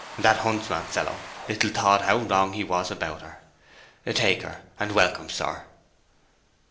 That huntsman fellow little thought how wrong he was about her! Take her and welcome, sir."